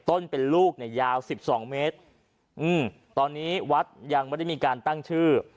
ลูกเป็นลูกเนี่ยยาว๑๒เมตรอืมตอนนี้วัดยังไม่ได้มีการตั้งชื่อ